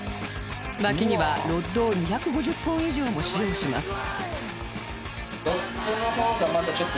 巻きにはロッドを２５０本以上も使用します